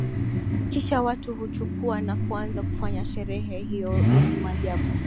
Kisha watu huchukua na kuanza kufanya sherehe hiyo yenye maajabu